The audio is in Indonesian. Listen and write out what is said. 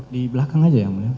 di belakang aja ya mulia